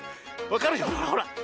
わかるよほら。